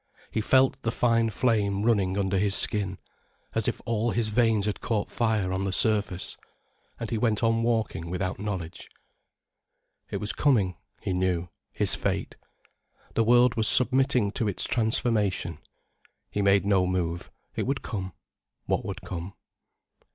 He felt the fine flame running under his skin, as if all his veins had caught fire on the surface. And he went on walking without knowledge. It was coming, he knew, his fate. The world was submitting to its transformation. He made no move: it would come, what would come.